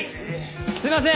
すいません！